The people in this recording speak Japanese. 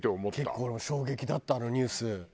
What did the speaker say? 結構俺も衝撃だったあのニュース。